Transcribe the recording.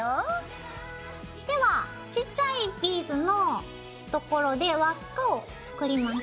ではちっちゃいビーズの所で輪っかを作ります。